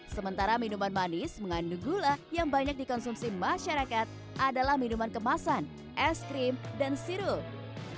sementara minuman manis mengandung gula yang banyak dikonsumsi masyarakat adalah minuman kemasan es krim dan sirup